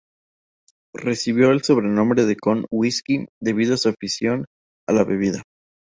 Recibió el sobrenombre de "Kon-whisky" debido a su afición a la bebida.